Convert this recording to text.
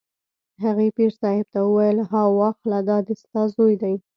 هغې پیر صاحب ته وویل: ها واخله دا دی ستا زوی دی.